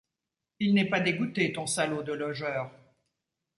Il n’est pas dégoûté, ton salaud de logeur!